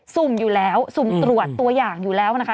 สุ่มอยู่แล้วสุ่มตรวจตัวอย่างอยู่แล้วนะคะ